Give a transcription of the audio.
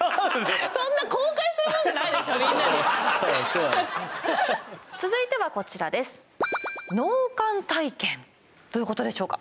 みんなに続いてはこちらですどういうことでしょうか